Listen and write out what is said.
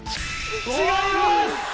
違います！